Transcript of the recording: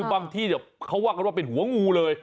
บางที่เขาว่ากันว่าเป็นหัวงูเลย